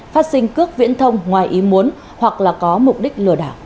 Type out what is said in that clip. phát sinh cước viễn thông ngoài ý muốn hoặc là có mục đích